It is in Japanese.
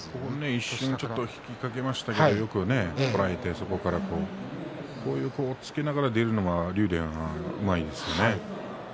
一瞬引きかけましたがこらえて、そこから押っつけながら出るのは竜電うまいですよね。